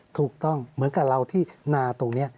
เหมือนกับเราที่นาตรงนี้